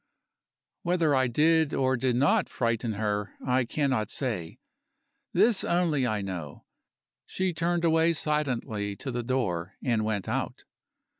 Whether I did or did not frighten her, I cannot say. This only I know she turned away silently to the door, and went out.